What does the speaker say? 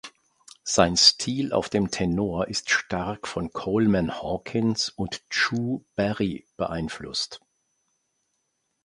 Sein Stil auf dem Tenor ist stark von Coleman Hawkins und Chu Berry beeinflusst.